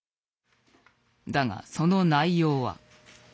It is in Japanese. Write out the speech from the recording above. だがその内容は。